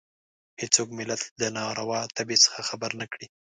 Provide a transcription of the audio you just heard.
هېڅوک ملت له ناروا تبې څخه خبر نه کړي.